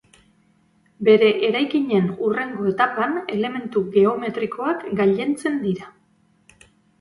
Bere eraikinen hurrengo etapan elementu geometrikoak gailentzen dira.